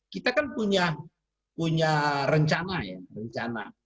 kita kan punya rencana ya rencana